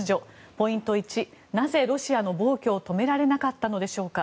ポイント１、なぜロシアの暴挙を止められなかったのでしょうか。